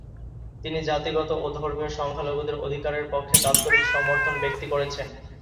তিনি জাতিগত ও ধর্মীয় সংখ্যালঘুদের অধিকারের পক্ষে দাপ্তরিক সমর্থন ব্যক্তি করেছেন।